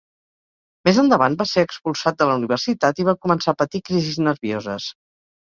Més endavant va ser expulsat de la universitat i va començar a patir crisis nervioses.